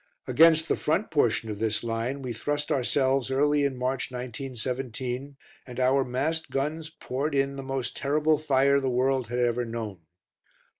Against the front portion of this line we thrust ourselves early in March, 1917, and our massed guns poured in the most terrible fire the world had ever known.